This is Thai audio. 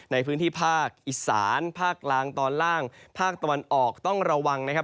ในพื้นที่ภาคอีสานภาคกลางตอนล่างภาคตะวันออกต้องระวังนะครับ